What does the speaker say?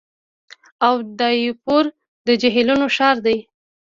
اودایپور د جهیلونو ښار دی.